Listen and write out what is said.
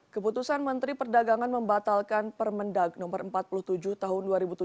keputusan menteri perdagangan membatalkan permendag no empat puluh tujuh tahun dua ribu tujuh belas